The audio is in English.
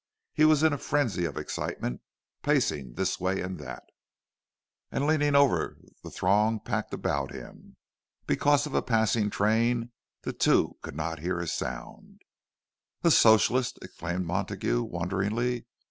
He was in a frenzy of excitement, pacing this way and that, and leaning over the throng packed about him. Because of a passing train the two could not hear a sound. "A Socialist!" exclaimed Montague, wonderingly.